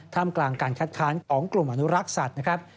ท่ามกลางการคัดค้านของกลุ่มมนุษย์รักษัตริย์นะครับ